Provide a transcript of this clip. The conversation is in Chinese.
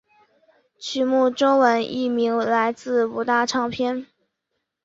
曲目中文译名来自五大唱片。